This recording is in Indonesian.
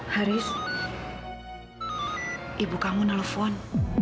haris ibu kamu nelfon